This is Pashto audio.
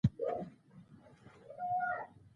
شکر دی اولادونه يې د لندن هستوګن دي.